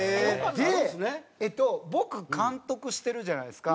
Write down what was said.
でえっと僕監督してるじゃないですか。